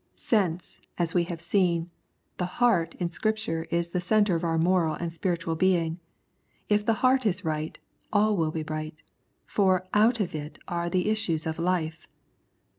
Since, as we have seen, the "^ heart " in Scripture is the centre of our moral and spiritual being, if the heart is right, all will be right, for " out of it are the issues of life."